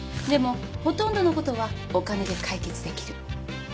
でもほとんどのことはお金で解決できる。